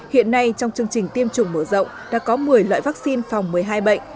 hiện nay trong chương trình tiêm chủng mở rộng đã có một mươi loại vaccine phòng một mươi hai bệnh